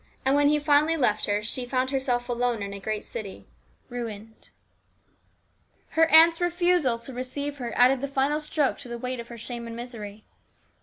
And when he finally left her she found herself alone in a great city, ruined. Her aunt's refusal to receive her added the final stroke to the weight of her shame and misery.